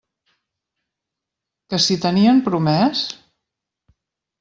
Que si tenien promès?